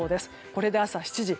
これで朝７時。